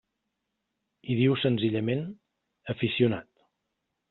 Hi diu senzillament: aficionat.